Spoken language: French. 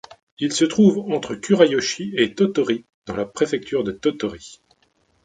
Il se trouve entre Kurayoshi et Tottori, dans la préfecture de Tottori.